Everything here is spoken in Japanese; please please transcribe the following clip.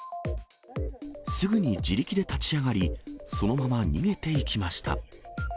すぐに自力で立ち上がり、そのまま逃げていきました。